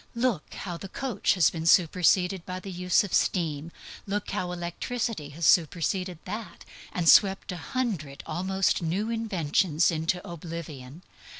Look how the coach has been superseded by the use of steam. Look how electricity has superseded that, and swept a hundred almost new inventions into oblivion.